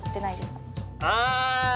あぁ！